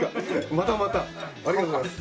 またまたありがとうございます。